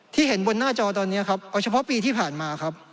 เห็นบนหน้าจอตอนนี้ครับเอาเฉพาะปีที่ผ่านมาครับ